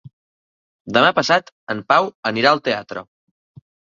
Demà passat en Pau anirà al teatre.